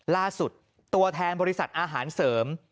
ตัวแทนบริษัทอาหารเสริม